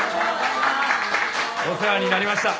お世話になりました。